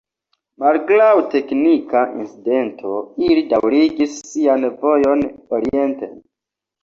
Malgraŭ teknika incidento, ili daŭrigis sian vojon orienten.